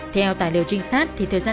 theo tài liệu trinh sát